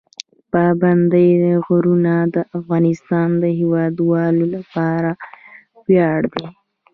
پابندی غرونه د افغانستان د هیوادوالو لپاره ویاړ دی.